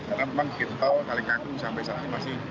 karena memang kita tahu kalikangkung sampai sekarang ini masih